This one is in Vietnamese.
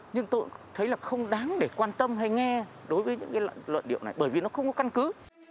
nhưng tôi thấy là không đáng để quan tâm hay nghe đối với những cái luận điệu này bởi vì nó không có căn cứ